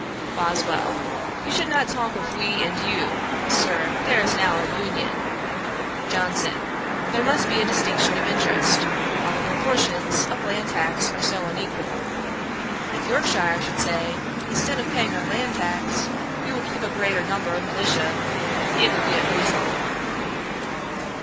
BOSWELL. 'You should not talk of we and you, Sir: there is now an Union.' JOHNSON. 'There must be a distinction of interest, while the proportions of land tax are so unequal. If Yorkshire should say, "Instead of paying our land tax, we will keep a greater number of militia," it would be unreasonable.'